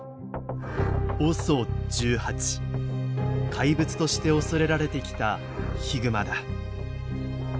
怪物として恐れられてきたヒグマだ。